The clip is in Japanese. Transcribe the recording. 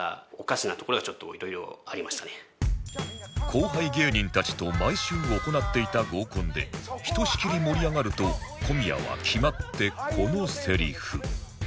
後輩芸人たちと毎週行っていた合コンでひとしきり盛り上がると小宮は決まってこのセリフ